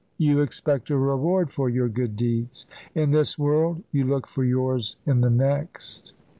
You expect a reward for your good deeds." "In this world. You look for yours in the next."